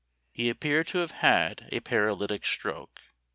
He ap peared to have had a paralytic stroke.